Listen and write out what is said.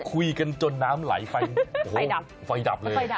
คุยกันจนน้ำไหลไฟดับเลย